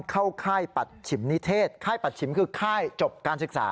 ค่ายปัดฉิมนิเทศค่ายปัดฉิมคือค่ายจบการศึกษา